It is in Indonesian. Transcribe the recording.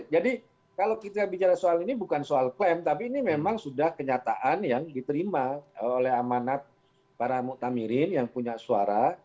jadi kalau kita bicara soal ini bukan soal klaim tapi ini memang sudah kenyataan yang diterima oleh amanat para muktamirin yang punya suara